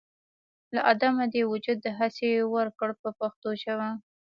له عدمه دې وجود دهسې ورکړ په پښتو ژبه.